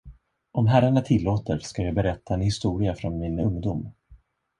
Om herrarna tillåter, ska jag berätta en historia från min ungdom.